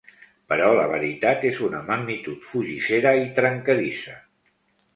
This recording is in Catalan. Però la veritat és una magnitud fugissera i trencadissa.